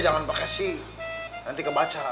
jangan pakai sih nanti kebacara